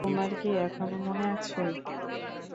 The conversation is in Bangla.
তোমার কি এখনো মনে আছে?